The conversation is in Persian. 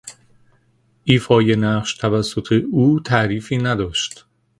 ایفای نقش توسط او تعریفی نداشت.